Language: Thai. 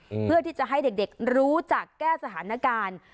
เพื่อที่จะให้เด็กเด็กรู้จักแก้สถานการณ์